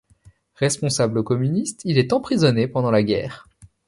Responsable communiste, il est emprisonné pendant la guerre.